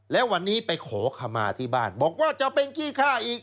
แล้ววันนี้ไปขอขมาที่บ้านบอกว่าจะเป็นขี้ฆ่าอีก